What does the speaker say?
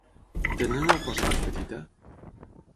Tenen una cosa més petita?